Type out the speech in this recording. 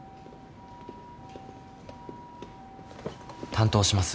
担当します